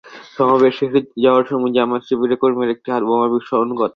সমাবেশ শেষে চলে যাওয়ার সময় জামায়াত-শিবিরে কর্মীরা একটি হাতবোমার বিস্ফোরণ ঘটায়।